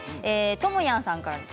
ともやさんからです。